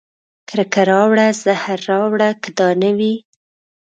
کرکه راوړه زهر راوړه که دا نه وي